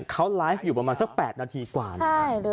เขาไลฟ์อยู่ประมาณสัก๘นาทีกว่านะ